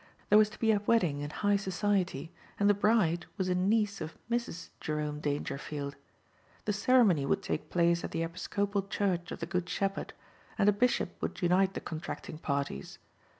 There was to be a wedding in high society and the bride was a niece of Mrs. Jerome Dangerfield. The ceremony would take place at the Episcopal Church of the Good Shepherd, and a bishop would unite the contracting parties.